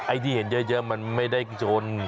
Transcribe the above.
ที่เห็นเยอะมันไม่ได้จน